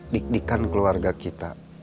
dikdikan keluarga kita